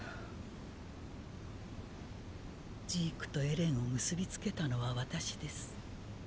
ジークとエレンを結びつけたのは私です。